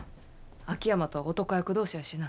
秋山とは男役同士やしな。